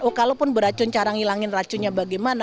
oh kalaupun beracun cara ngilangin racunnya bagaimana